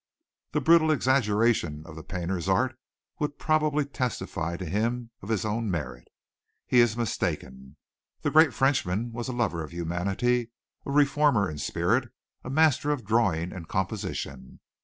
The brutal exaggeration of that painter's art would probably testify to him of his own merit. He is mistaken. The great Frenchman was a lover of humanity, a reformer in spirit, a master of drawing and composition.